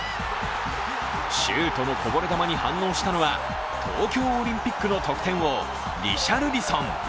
シュートのこぼれ球に反応したのは東京オリンピックの得点王、リシャルリソン。